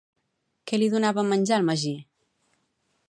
Què li donava a menjar el Magí?